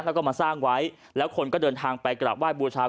แล้วก็มาสร้างไว้แล้วคนก็เดินทางไปกลับไห้บูชา